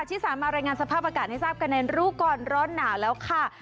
ที่สามารถรายงานสภาพอากาศให้ทราบกันในรู้ก่อนร้อนหนาวแล้วค่ะ